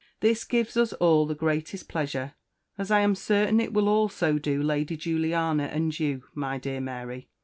This gives us all the Greatest Pleasure, as I am certain it will also Do Lady Juliana and you, my dear Mary.